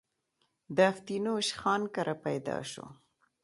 د افتينوش خان کره پيدا شو